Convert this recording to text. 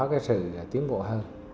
cái sự tiến bộ hơn